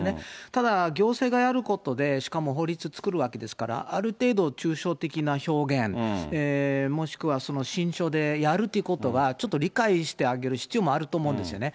ただ、行政がやることで、しかも法律を作るわけですから、ある程度抽象的な表現、もしくは、その心象でやるということは、ちょっと理解してあげる必要もあると思うんですよね。